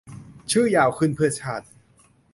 ชื่อยาวขึ้น เพื่อชาติ !